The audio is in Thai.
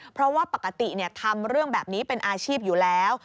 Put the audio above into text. เพราะว่าปกติทำเรื่องแบบนี้เป็นอาชีพอยู่แล้ว